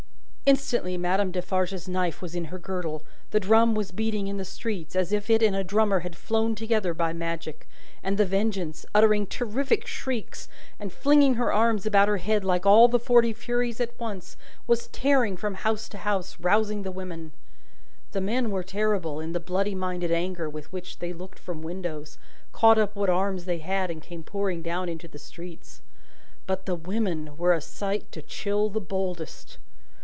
Instantly Madame Defarge's knife was in her girdle; the drum was beating in the streets, as if it and a drummer had flown together by magic; and The Vengeance, uttering terrific shrieks, and flinging her arms about her head like all the forty Furies at once, was tearing from house to house, rousing the women. The men were terrible, in the bloody minded anger with which they looked from windows, caught up what arms they had, and came pouring down into the streets; but, the women were a sight to chill the boldest.